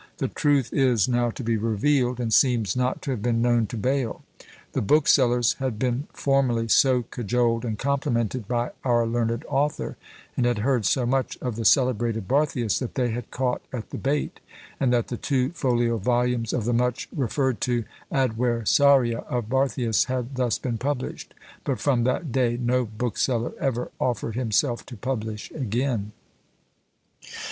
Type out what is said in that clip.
The truth is now to be revealed, and seems not to have been known to Bayle; the booksellers had been formerly so cajoled and complimented by our learned author, and had heard so much of the celebrated Barthius, that they had caught at the bait, and that the two folio volumes of the much referred to "Adversaria" of Barthius had thus been published but from that day no bookseller ever offered himself to publish again!